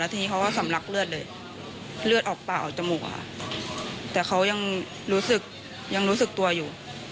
แต่เขายังรู้สึกตัวอยู่